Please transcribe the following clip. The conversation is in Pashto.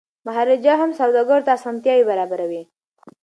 مهاراجا هم سوداګرو ته اسانتیاوي برابروي.